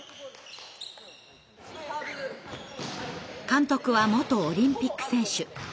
監督は元オリンピック選手。